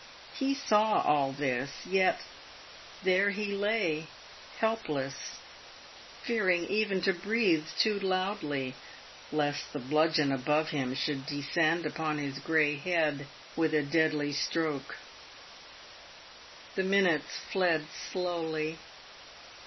He saw all this, yet there he lay helpless, fearing even to breathe too loudly, lest the bludgeon above him should descend upon his grey head with a deadly stroke. The minutes fled slowly.